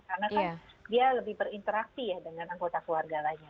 karena kan dia lebih berinteraksi ya dengan anggota keluarga lainnya